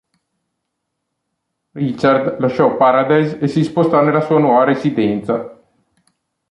Richard lasciò "Paradise" e si spostò nella sua nuova residenza.